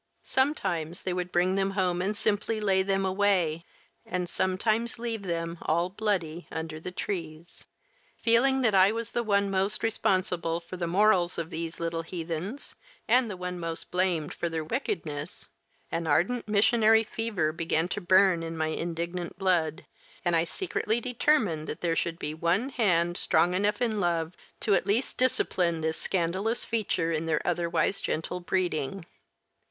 Sometimes they would bring them home and simply "lay them away," and sometimes leave them, all bloody, under the trees. Feeling that I was the one most responsible for the morals of these little heathens, and the one most blamed for their wickedness, an ardent missionary fever began to burn in my indignant blood, and I secretly determined that there should be one hand, strong enough in love, to at least discipline this scandalous feature in their otherwise gentle breeding.